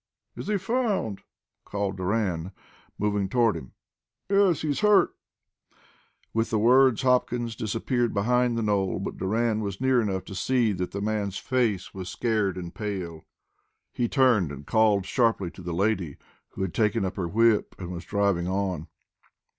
"Is he found?" called Doran, moving toward him. "Yes. He's hurt!" With the words Hopkins disappeared behind the knoll, but Doran was near enough to see that the man's face was scared and pale. He turned and called sharply to the lady, who had taken up her whip and was driving on.